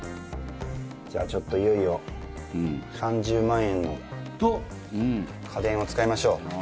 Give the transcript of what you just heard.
じゃあちょっといよいよ３０万円の家電を使いましょう。